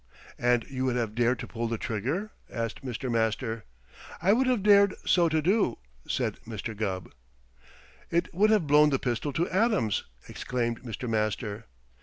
"And you would have dared to pull the trigger?" asked Mr. Master. "I would have dared so to do," said Mr. Gubb. "It would have blown the pistol to atoms!" exclaimed Mr. Master.